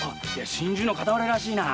心中の片割れらしいな。